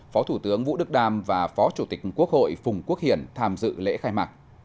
phó thủ tướng vũ đức đam và phó chủ tịch quốc hội phùng quốc hiển tham dự lễ khai mạc